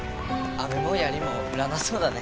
雨も槍も降らなそうだね。